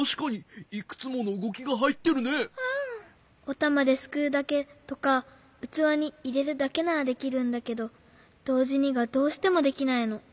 おたまですくうだけとかうつわにいれるだけならできるんだけどどうじにがどうしてもできないの。